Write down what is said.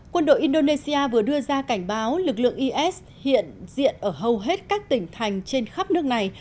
quân đội indonesia vừa đưa ra cảnh báo lực lượng is hiện diện ở hầu hết các tỉnh thành trên khắp nước này